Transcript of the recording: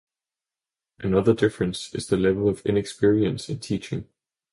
Another difference is the level of inexperience in teaching.